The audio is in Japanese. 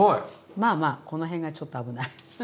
まあまあこの辺がちょっと危ない。